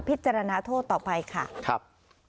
พิจารณาโทษต่อไปค่ะครับ